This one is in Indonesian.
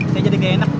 saya jadi gaya enak